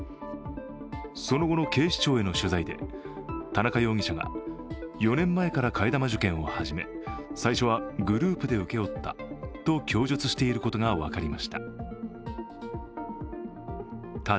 その後の警視庁への取材で田中容疑者が４年前から替え玉受検を始め、最初はグループで請け負ったと供述していることが分かりました。